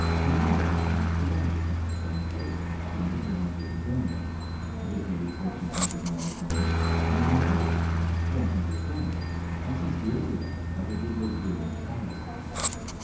New Guinea is perhaps the largest island on the globe, being a little larger than Borneo. It is nearly fourteen hundred miles long, and in the widest part four hundred broad, and seems to be everywhere covered with luxuriant forests.